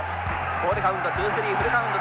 ボールカウント２−３フルカウント。